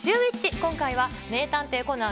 今回は名探偵コナン